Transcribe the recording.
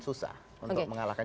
susah untuk mengalahkan